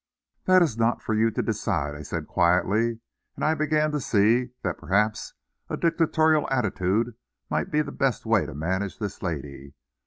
"That is not for you to decide," I said quietly, and I began to see that perhaps a dictatorial attitude might be the best way to manage this lady.